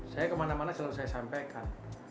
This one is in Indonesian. saya kemana mana selalu saya sampaikan